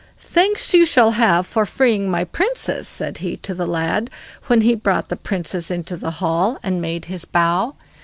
"Thanks you shall have for freeing my Princess", said he to the lad, when he brought the Princess into the hall, and made his bow.